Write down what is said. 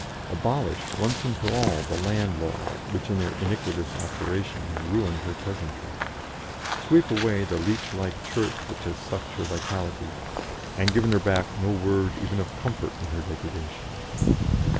Abolish once and for all the land laws, which in their iniquitous operation have ruined her peasantry. Sweep away the leech like Church which has sucked her vitality, and has given her back no word even of comfort in her degradation.